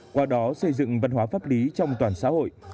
qua đó xây dựng văn hóa pháp lý trong toàn xã hội